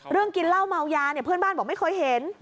เรื่องกินเหล้าเมายาเพื่อนบ้านบอกไม่เคยเห็น